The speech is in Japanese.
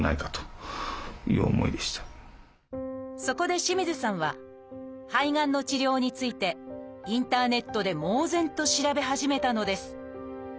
そこで清水さんは肺がんの治療についてインターネットで猛然と調べ始めたのです。